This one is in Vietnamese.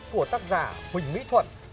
của tác giả huỳnh mỹ thuận